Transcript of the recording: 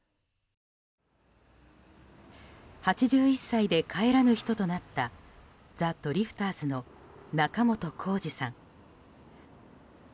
８１歳で帰らぬ人となったザ・ドリフターズの仲本工事さん。